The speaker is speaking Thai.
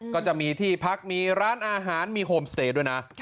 ก็จะมีที่พักมีร้านอาหารมีโฮมสเตย์ด้วยนะ